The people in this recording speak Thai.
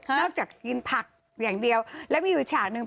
จากกินผักอย่างเดียวแล้วมีอยู่ฉากหนึ่ง